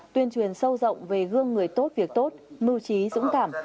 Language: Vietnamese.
tuyên truyền sâu rộng về gương người tốt việc tốt mưu trí dũng cảm